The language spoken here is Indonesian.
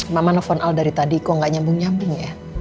mama nelfon al dari tadi kok nggak nyambung nyambung ya